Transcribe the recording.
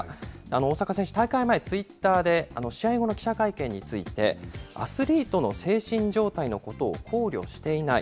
大坂選手、大会前、ツイッターで、試合後の記者会見について、アスリートの精神状態のことを考慮していない。